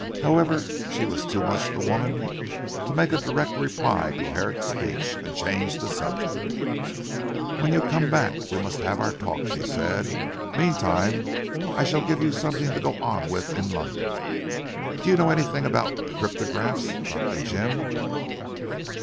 However she was too much the woman to make a direct reply to Herrick's speech, and changed the subject. "When you come back we must have our talk," she said. "Meantime I shall give you something to go on with in London. Do you know anything about cryptographs Dr. Jim?"